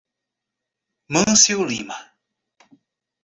Mâncio Lima